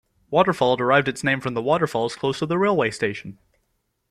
Waterfall derived its name from the waterfalls close to the railway station.